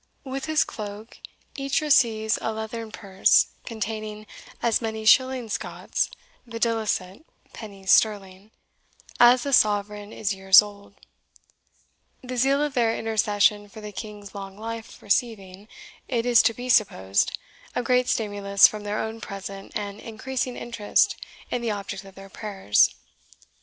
With his cloak, each receives a leathern purse, containing as many shillings Scots (videlicet, pennies sterling) as the sovereign is years old; the zeal of their intercession for the king's long life receiving, it is to be supposed, a great stimulus from their own present and increasing interest in the object of their prayers.